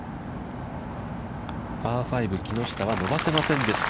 パー５木下は伸ばせませんでした。